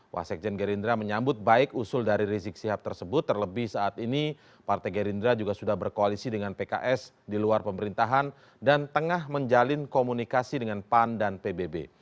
wasekjen gerindra menyambut baik usul dari rizik sihab tersebut terlebih saat ini partai gerindra juga sudah berkoalisi dengan pks di luar pemerintahan dan tengah menjalin komunikasi dengan pan dan pbb